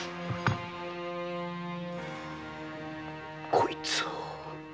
こいつは！